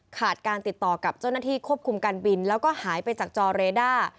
ขาดการติดต่อกับเจ้าหน้าที่ควบคุมการบินแล้วก็หายไปจากจอเรด้า